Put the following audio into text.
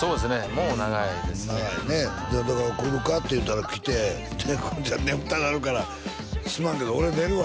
もう長いですね長いねだから「来るか」って言ったら来てで浩市は眠たくなるから「すまんけど俺寝るわ」